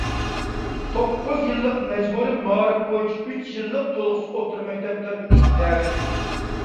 توققۇز يىللىق مەجبۇرىي مائارىپ بويىچە ئۈچ يىللىق تولۇقسىز ئوتتۇرا مەكتەپلەر ئۈچۈن دەرسلىك